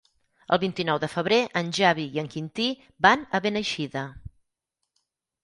El vint-i-nou de febrer en Xavi i en Quintí van a Beneixida.